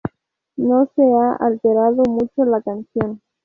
No se ha alterado mucho la canción.